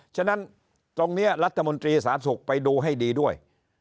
ฉะนั้นตรงนี้รัฐมนตรี๓๖ไปดูให้ดีด้วย